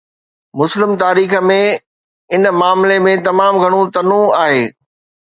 مسلم تاريخ ۾ ان معاملي ۾ تمام گهڻو تنوع آهي.